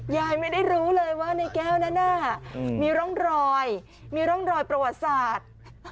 ยายไม่ได้รู้เลยว่าในแก้วแน่มีร่องรอยมีร่องรอยประวัติศาสตร์